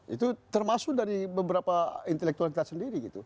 itu termasuk dari beberapa intelektualitas sendiri